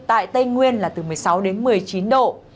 tại tây nguyên là từ một mươi sáu đến một mươi chín độ